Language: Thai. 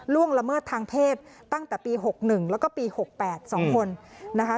ล่วงละเมิดทางเพศตั้งแต่ปีหกหนึ่งแล้วก็ปีหกแปดสองคนนะคะ